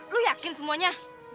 lo yakin semuanya